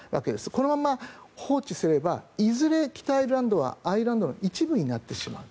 このまま放置すればいずれ北アイルランドはアイルランドの一部になってしまう。